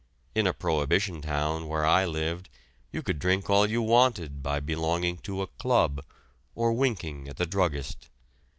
In a prohibition town where I lived you could drink all you wanted by belonging to a "club" or winking at the druggist.